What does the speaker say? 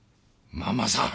ママさん！